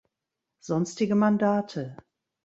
Sonstige Mandate